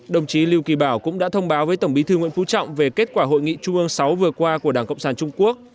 đồng chí lưu kỳ bảo cũng đã thông báo với tổng bí thư nguyễn phú trọng về kết quả hội nghị trung ương sáu vừa qua của đảng cộng sản trung quốc